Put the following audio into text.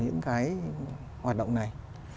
những cái hoạt động này